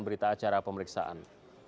berita acara pemeriksaan